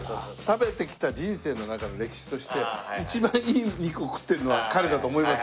食べてきた人生の中の歴史として一番いい肉を食ってるのは彼だと思います